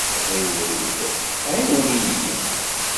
Ɣiwel-d, ɛiwen-iyi!